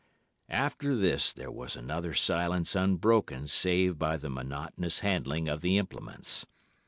"After this there was another silence unbroken save by the monotonous handling of the implements.